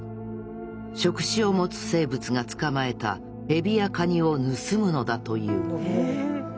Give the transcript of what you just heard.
触手を持つ生物が捕まえたエビやカニを盗むのだという。